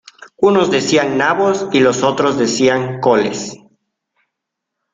Unos decían nabos y los otros decían coles.